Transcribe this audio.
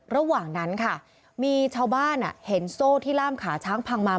ระหว่างนั้นค่ะมีชาวบ้านเห็นโซ่ที่ล่ามขาช้างพังมา